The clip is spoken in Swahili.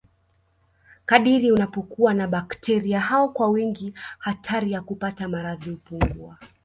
kadiri unapokuwa na bakteria hao kwa wingi hatari ya kupata maradhi hupungua